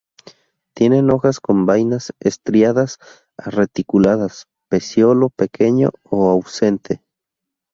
Tienen hojas con vainas estriadas a reticuladas; pecíolo pequeño o ausente.